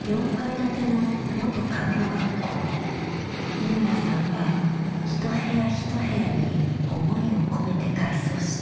三村さんは一部屋一部屋に思いを込めて改装した。